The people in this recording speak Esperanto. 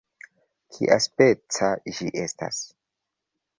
"Kiaspeca ĝi estas?"